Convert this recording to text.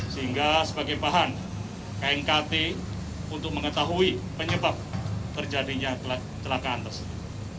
sehingga sebagai bahan knkt untuk mengetahui penyebab terjadinya kecelakaan tersebut